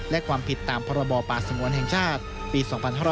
และความผิดตามพรบป่าสงวนแห่งชาติปี๒๕๕๙